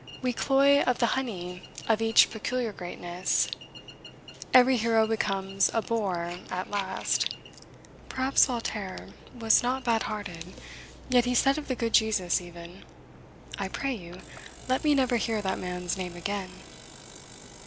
We cloy of the honey of each peculiar greatness. Every hero becomes a bore at last. Perhaps Voltaire was not bad hearted, yet he said of the good Jesus, even, "I pray you, let me never hear that man's name again."